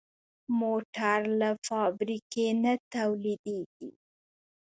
موټر له فابریکې نه تولیدېږي.